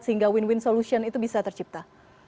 sehingga win win solution itu bisa tercipta